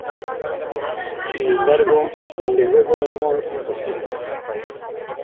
Sin embargo, desde luego no es imposible.